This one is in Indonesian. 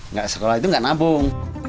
nggak sekolah itu nggak nabung